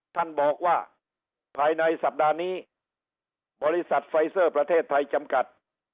ท่านบอกว่าภายในสัปดาห์นี้บริษัทไฟเซอร์ประเทศไทยจำกัด